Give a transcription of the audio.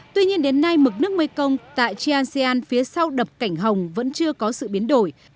tuy nhiên đến nay mực nước mê công tại chean sean phía sau đập cảnh hồng vẫn chưa có sự biến đổi